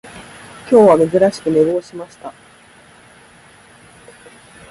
今日は珍しく寝坊しました